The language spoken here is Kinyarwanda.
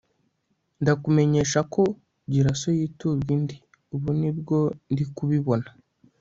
ndakumenyesha ko gira so yiturwa indi ubu nibwo ndikubibona